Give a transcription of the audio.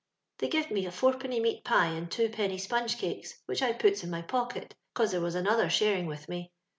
They gived me a fouri>enny meat pie and two penny sponge cakes, which I puts in my pocket, cos there was another sharing with me.